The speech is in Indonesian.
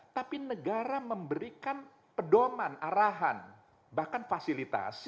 tapi negara memberikan pedoman arahan bahkan fasilitasi